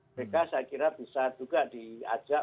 mereka saya kira bisa juga diajak